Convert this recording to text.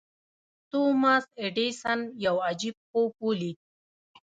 توماس ايډېسن يو عجيب خوب وليد.